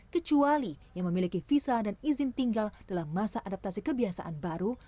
kecuali yang memiliki visa dan izin tinggal dalam masa adaptasi kebiasaan baru